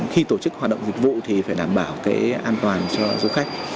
khi tổ chức hoạt động dịch vụ thì phải đảm bảo cái an toàn cho du khách